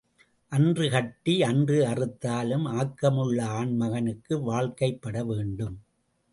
அன்று கட்டி அன்று அறுத்தாலும் ஆக்கமுள்ள ஆண் மகனுக்கு வாழ்க்கைப்பட வேண்டும்.